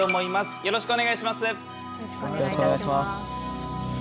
よろしくお願いします。